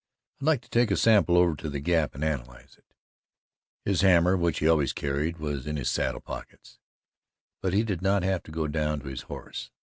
I'd like to take a sample over to the Gap and analyze it." His hammer, which he always carried was in his saddle pockets, but he did not have to go down to his horse.